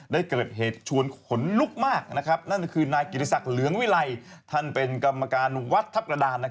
ได้เกิดเหตุชวนขนลุกมากนั่นคือนายกิติศักดิ์เหลืองวิลัยท่านเป็นกรรมการวัดทัพกระดาน